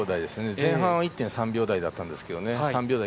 前半は１．３秒台だったんですが。